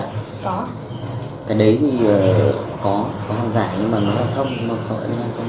dạ cái đấy thì có có hàng giả nhưng mà nó là thông nó không làm được không có lợn không có lợn